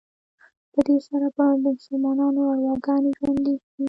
په دې سره به د مسلمانانو ارواګانې ژوندي شي.